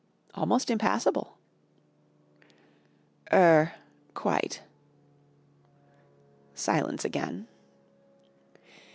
"Almost impassable." "Er quite." Silence again.